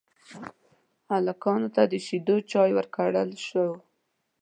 هلکانو ته د شيدو چايو ورکړل شوه.